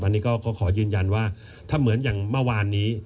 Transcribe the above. อันนี้ก็ขอยืนยันว่าถ้าเหมือนอย่างเมื่อวานนี้